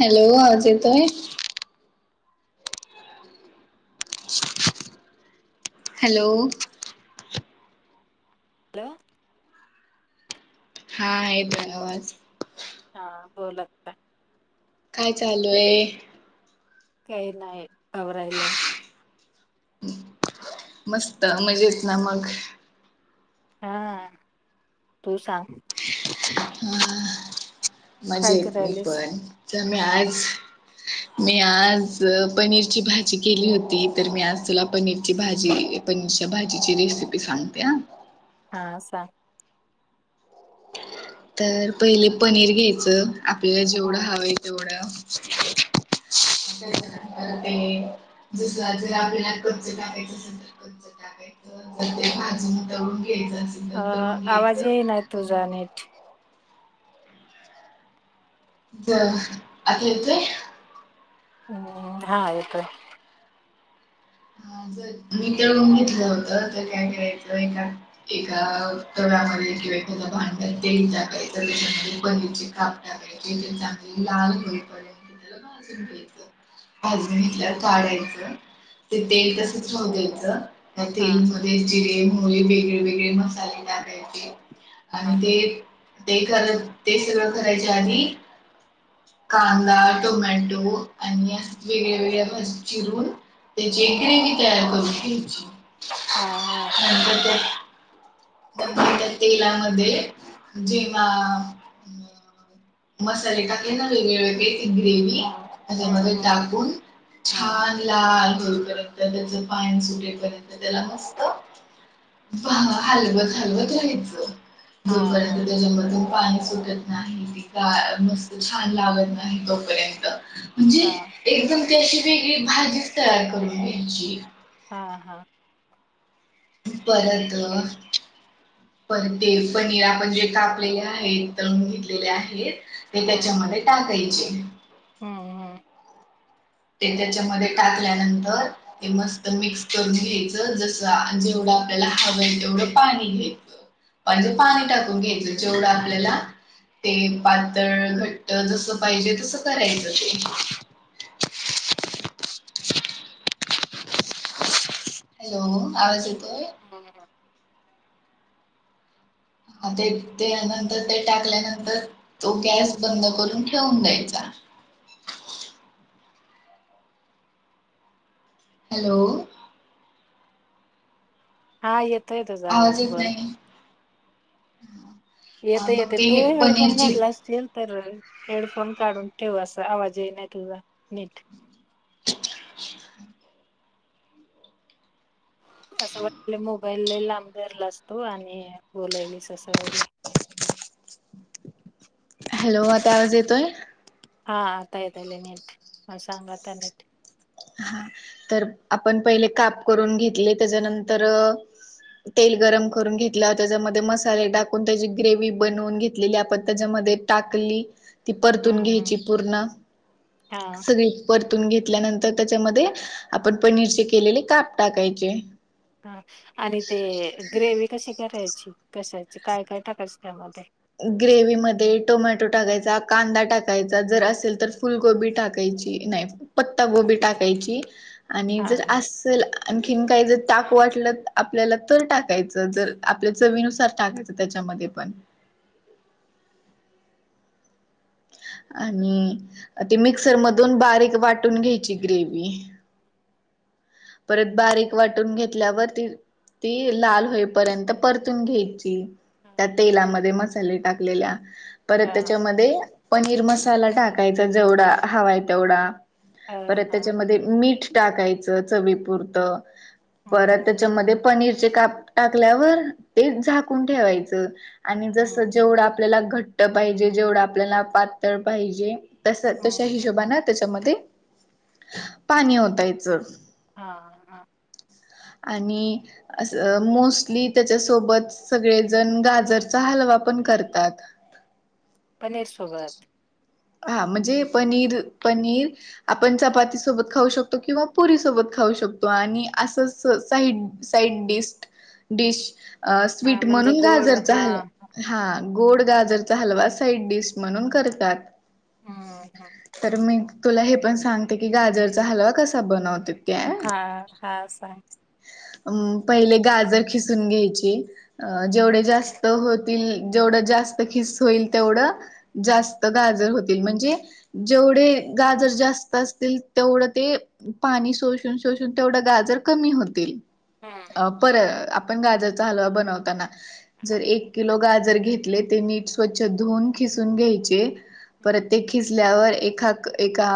Hello Ajit hi hello hello हा आहे दरवाज.. हा बोल आता काय चालू आहे? काय नाहीय आवरायलो मस्त मजेत ना मग हा तू सांग काय मजेत मी करायलीस पण मी आज मी आज पनीरची भाजी केली होती तर मी आज तुला पनीरची भाजी पनीरच्या भाजीची रेसिपी सांगते ह हा सांग तर पहिले पनीर घ्यायचं आपल्याला जेवढं हवं आहे तेवढं त्यानंतर ते जस जर आपल्याला कच्च टाकायचं असेल तर कच्च टाकायचं तर ते भाजून तळुन.. अ आवाजही नाही तुझा नीट ब आता येतोय हम्म हा येतोय. जर मी तळून घेतलं होत तर काय करायचं एका एका तव्यामध्ये किंवा एखाद भांड्यात तेल टाकायचं त्याच्यामध्ये पनीरचे काप टाकायचे, चांगले लाल होईपर्यंत त्याला भाजून घ्यायच, भाजून घेतल्यावर काढायच ते तेल तसच राहु हा द्यायचं जीरे मोहरी वेगळे वेगळे मसाले टाकायचे हा आणि ते ते खर ते सगळं करायच्या आधी कांदा, टोमॅटो आणि वेगळ्या वेगळ्या म चिरून त्याची ग्रेवी तयार करून घ्यायची हा हा ह नंतर त्यात नंतर त्या तेलामध्ये जेव्हा मसाले टाकले ना वेगळे वेगळे ती ग्रेवी हम्म हम्म त्यामध्ये हम्म टाकून हम्म छान लाल होईपर्यंत त्याच पाणी सुटेपर्यंत त्याला मस्त भा... हलवत हलवत राहायचं. हा हा जोपर्यंत त्याला म.. पाणी सुटत नाही की काय मस्त छान लागत नाही तोपर्यंत म्हणजे हा एकदम अशी वेगळी भाजीच तयार करून घ्यायची हा हा परत, पर ते पनीर आपण जे कापलेले आहेत, तळून घेतलेले आहेत- ते हम्म त्याच्यामध्ये टाकाय- [inaudible] हम्म हम्म ते त्याच्यामध्ये टाकल्यानंतर ते मस्त मिक्स करून घ्यायचं जसं जेवढं आपल्याला हावंय तेवढं पाणी घ्यायचं म्हणजे पाणी टाकून घ्यायचं जेवढं आपल्याला ते पातळ घट्ट जस पाहिजे तसं करायचं ते. हॅलो आवाज येतो हम्म हा तेच ते त्या नंतर ते टाकल्यानंतर तो गॅस बंद करून ठेवून द्यायचा. हॅलो हा येत तोय तुझा आवाज येत बोल नाही. [inaudible] हा, येतेल मग येते तू ते हेडफोन पनीरची घातला असशील तर हेडफोन काढून ठेव असा आवाजही नाही तुझा नीट असं वाटले मोबाईल लई लांब धरलास तू आणि बोलायलीस असं व्हायले हॅलो आता आवाज येतोय? हा आता येतयले नीट, म सांग आता नीट, हा तर आपण पहिले काप करून घेतले, त्याच्यानंतर तेल गरम करून घेतलं त्याच्यामध्ये मसाले टाकून त्याची ग्रेव्ही बनवून घेतलेली आपण त्याच्यामध्ये टाकली ती परतून हम्म हम्म घ्यायची पूर्ण, हा. सगळी परत तून घेतल्यानंतर तर त्याच्यामध्ये आपण पनीरचे केलेले काप टाकायचे. हा आणि ते ग्रेव्ही कसशी कराय ची कशाचे काय काय टाकायचं क्या बात ये ग्रेव्ही मध्ये टोमॅटो टाकायचा, कांदा टाकायचा, जर असेल तर फुलगोबी टाकायची नाही पत्ता गोबी टाकायची आणि हा जर हा अस्सल आणखीन काही जर टाकू वाटलं आपल्याला तर टाकायचं जर आपल्या चवीनुसार टाकायचं, त्याच्यामध्ये पण आणि, ती मिक्सर मधून बारीक वाटून घ्यायची ग्रेव्ही परत बारीक वाटून घेतल्यावर ती ती लाल होईपर्यंत परतून घ्याय त्या तेलामध्ये मसाले टाकलेल्या परत हा हा त्याच्यामध्ये पनीर मसाला टाकायचा जेवढा हवाय तेवढा हा परत हा. त्याच्यामध्ये मीठ टाकायचं चविपुरत परत हम्म त्याच्यामध्ये पनीर काप टाकल्यावर ते झाकून ठेवायचं आणि हम्म जसं जेवढं आपल्याला घट ट्ट पाहिजे जेवढं आपल्याला पातळ पाहिजे तस हम्म तश हम्म. हिशोबाना त्याच्यामध्ये पाणी ओतायचं हा हा आणि- अस- मोस्टली त्याच्यासोबत सगळेजण गाजरचा हलवा पण करतात. पनीर सोबत हा म्हणजे पनीर पनीर आपण चपाती सोबत खाऊ शकतो किंवा पुरी सोबत खाऊ शकतो आणि असं साईड -साईड डि डिश अ हा स्वीट म्हणजे म्हणून गोड गाजर हा चालं हा गोड गाजरचा हलवा साईड डिश म्हणून करतात. हम्म हम्म. तर मी [unintelligible] तुला हे पण सांगते की गाजरचा हलवा कसा बनवत हा हा सां [unintelligible] पहिले गाजर खिसून घ्यायची जेवढे जास्त होतील जेवढं जास्त खिस होईल तेवढं जास्त गाजर होतील म्हणजे जेवढे गाजर जास्त असतील तेवढं ते पाणी शोषून शोषून तेवढं गाजर कमी होत ते [unintelligible] हम्म अ पर आप [unintelligible] ण गाजरचा हलवा बनवताना जर एक किलो गाजर घेतले ते नीट स्वच्छ धुून खिसून घ्यायचे परत ये खिसल्यावर एका- एका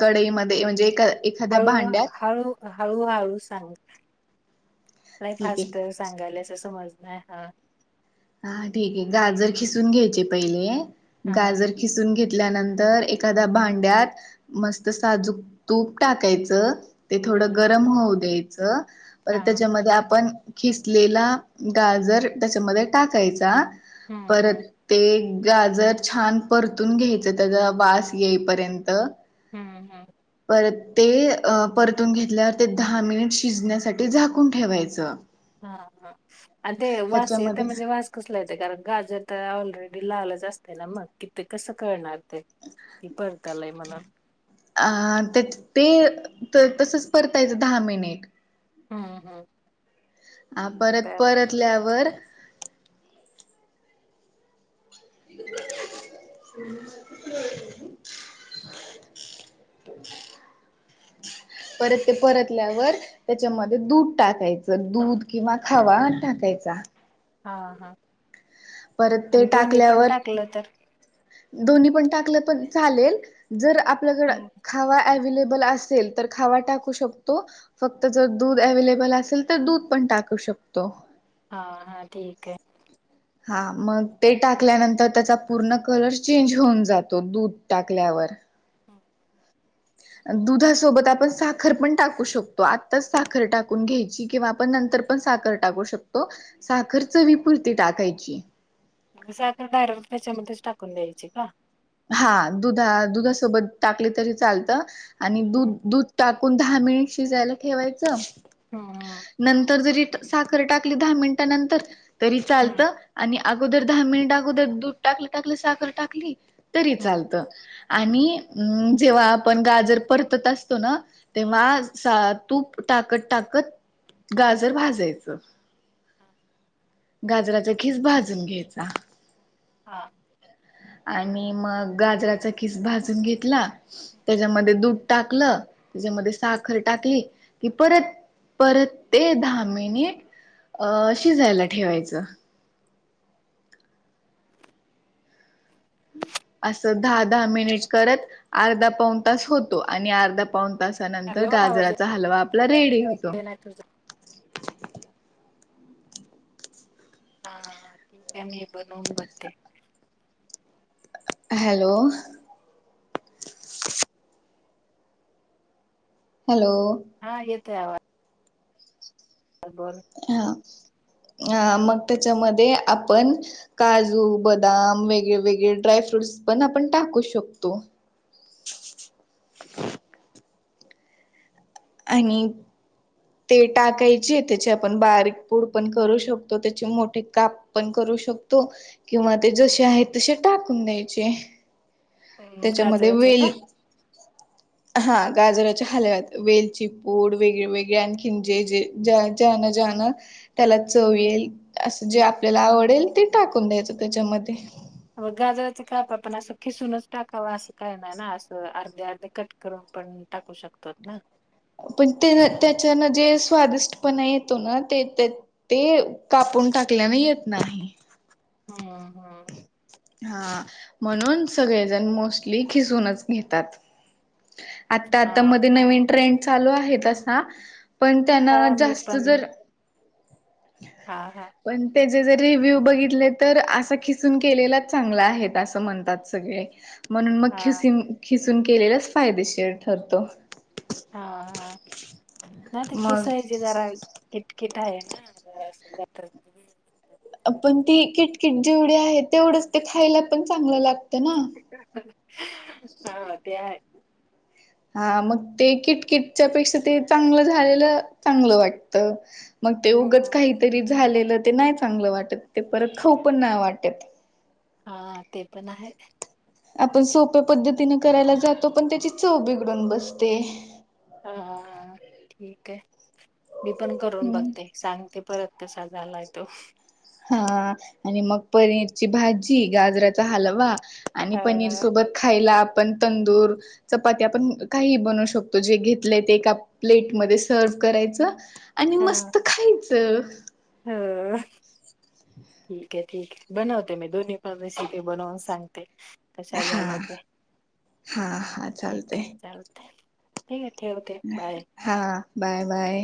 कढईमध्ये म्हणजे ए हळू- हळू -हळू -हळू सांग नाही ठीक फास् आहे कर सांगायलाच समजत [unintelligible] ह हा [unintelligible] हा ठीक आहे गाजर खिसून घ्यायचे पहिले हा गाजर खिसून घेत [unintelligible] घल्यानंतर एखाद्या भांड्यात मस्त साजूक तूप टाकायचं ते थोडं हम्म गरम होऊ देेत च [unintelligible] परत हा त्याच्यामध्ये आपण खिसलेला गाजर त्याच्यामध्ये टाकायचा हम्म परत हम्म ते गाजर छान परतून घ्यायचं त्याचा वास येईपर्यंत हां हां [unintelligible] तर ते अ परतून घेतल्यावर ते दहा मिनिट शिजण्यासाठी झाकून ठेवायचं हा हा आणि ते वास येत त्याच्यामध्ये म्हणजे वास कसला येते कारण गाजर तर ऑलरेडी लालच असतय ना मग कि ते कसं कळणार ती परतालय म्हणा [unintelligible] अ ते त ते तर तसच परतायचं दहा मिनिट हम् हम् [unintelligible] हा परत परतल्यावर [inaudible] परत ते परतल्यावर त्याच्यामध्ये दूध टाकायचं दूध किंवा खावा टाकायचा हा हा परत ते आणि दोन्ही पण टाकल्यावर टाकलं तर [inaudible] दोन्ही पण टाकलं पण चालेल जर आपल्याकड हम्म. खावा अवेलेबल. असेल तर खावा टाकू शकतो फक्त जर दूध अवे्लेबल असेल तर दूध पण टाकू शकतो. हा हा ठीक आहे. हा मग ते टाकल्यानंतर त्याचा पूर्ण कलर चेंज होऊन जातो दूध टाकल्यावर हम्म, दुधासोबत आपण साखर पण टाकू शकतो आत्ताच साखर टाकून घ्यायची किंवा आपण नंतर पण साखर टाकू शकतो साखर हम्म, चवीपुरती टाकायची. [inaudible] साखर डायर त्याच्यामध्येच टाकून द्यायची का. हा दुधा दुधासोबत टाकली तरी चालतं. आणि हम्म दूध दुध टात ण दहा मिनिट शिजायला ठेवायचं. हम्म नंतर जरी साखर टाकली दहा मिनटानंतर तरी हम्म चालतं आणि अगोदर दहा मिनिट अगोदर दूध टाकलं टाकलं साखर टाकली. तरी हम्म चालत. आणि अ जेव्हा आपण गाजर परतत असतो ना तेव्हा तूप टाकत टाकत गाजर भाजायचं. गाजराचा खीस भाजून घ्यायचा. हा. आणि मग गाजराचा किस भाजून घेतला. त्याच्यामध्ये दूध टाकलं त्याच्यामध्ये साखर टाकली कि परत परत ते दहा मिनिट अ शिजायला ठेवायचं. अस दहा दहा मिनिट करत अर्धा पाऊन तास होतो आणि अर्धा पाऊन त तासानंतर हॅलो आवाज गाजराचा हलवा आपला रेडी होतो. येत नाही तुझा हा ठीक आहे मी बनवून बत्ते. हॅलो. हॅलो. हा येतय आवाज. बोल. हा. अ मग त्याच्यामध्ये आपण काजू बदाम वेगळे वेगळे ड्राय फ्रूटस पण आपण टाकू शकतो. आणि ते टाकायचे त्याची आपण बारीक पूड पण करू शकतो त्याचे मोठे काप पण करू शकतो किंवा ते जसे आहेत तसे टाकून द्यायचे. हम्म त्याच्यामध्ये गाजराचे का? वेल हा गाजराच्या हलव्यात वेलची पूड वेगळे वेगळे आणखीन जे जे ज्यान जन त्याला चव येल असं जे आपल्याला आवडेल ते टाकून द्यायचं त्याच्यामध्ये अ गाजराच काप आपण असं खिसूनच टाकाव असं काय नाही ना असं अर्धे अर्धे कट करून पण टाकू शकतो ना. पण ते त्याच्यान जे स्वादिष्टपणा येतो ना ते ते कापून टाकल्याने येत नाही. हम हा. हा म्हणून सगळेजण मोस्टली खिसूनच घेतात. आता आता हा मध्ये नवीन ट्रेंड चालू आहे ना. पण त्यांना हा मी जास्त पण जर. हा हा. पण त्याचे जर रिव्ह्यू बघितले तर असं खिसून केलेलाच चांगला आहे असं म्हणतात सगळे. म्हणून मग हा खिसून खिस खिसून केलेलाच फायदेशीर ठरतो. हा हा नाही तर मग किसायची जरा किटकिट. आहे ना ज [unintelligible] आपण ती किटकिट जेवढी आहे तेवढंच ते खायला पण चांगलं लागत. ते ना. हा ते आहे. हा मग ते किटकिटच्या पेक्षा ते चांगलं झालेलं चांगलं वाटत. मग ते उगाच हम्म. काहीतरी झाले. ते नाही चांगलं वाटत ते परत खाऊ पण नाही वाटत. हा ते पण आहे. आपण सोप्या पद्धतीने करायला जातो पण त्याची चव बिघडून बसते. हा हा ठीक आहे. मी पण करून हम्म बघते सांगते परत. कसा झालाय तो. हा आणि मग पनीरची भाजी गाजराचा हलवा. आणि पनीर हा. सोबत खायला. आपण तंदूर चपाती आपण काही बनू शकतो जे घेतले ते एका प्लेटमध्ये सर्व्ह करायचं. आणि मस्त खाईन. चव. अ ठीक आहे ठीक आहे बनवते मी दोन्ही प रेसिपी बनवून सांगते. कश्या झाल्या हा ते हा हा ठीक चालतंय. आहे चालतय. ठीकय. हा. Bye bye.